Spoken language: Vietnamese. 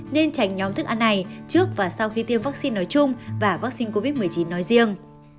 nên tránh nhóm thức ăn này trước và sau khi tiêm vắc xin nói chung và vắc xin covid một mươi chín nói riêng